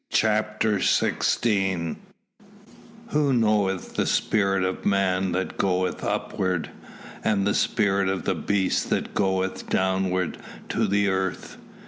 CHAPTER XVI "Who knoweth the spirit of man that goeth upward, and the spirit of the beast that goeth downward to the earth."